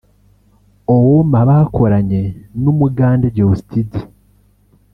Owooma bakoranye n’Umugande Geosteady